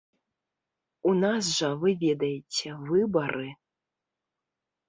У нас жа, вы ведаеце, выбары.